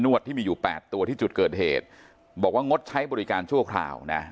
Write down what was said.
วดที่มีอยู่๘ตัวที่จุดเกิดเหตุบอกว่างดใช้บริการชั่วคราวนะ